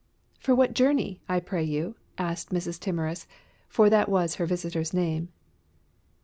"For what journey, I pray you?" asked Mrs. Timorous, for that was her visitor's name.